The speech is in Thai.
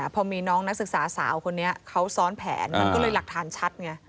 พอมีน้องนักศึกษาสาวคนนี้เขาซ้อนแผนมันก็เลยหลักฐานชัดไง